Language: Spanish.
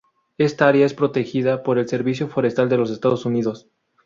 Esta área es protegida por el Servicio Forestal de los Estados Unidos.